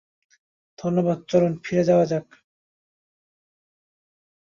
ধন্যবাদ চলুন ফিরে যাওয়া যাক।